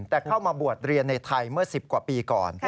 แต่เข้ามาบวชเรียนในไทยเมื่อ๑๐กว่าปีก่อน